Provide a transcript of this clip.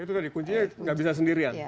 itu tadi kuncinya nggak bisa sendirian